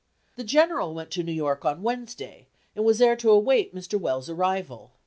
The General went to New York on Wednesday, and was there to await Mr. Wells' arrival.